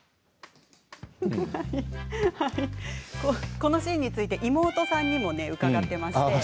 このシーンについて妹さんにも伺っています。